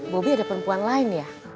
bobi ada perempuan lain ya